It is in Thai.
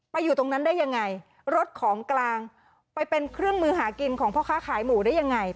อยู่ตรงนั้นได้ยังไงรถของกลางไปเป็นเครื่องมือหากินของพ่อค้าขายหมูได้ยังไง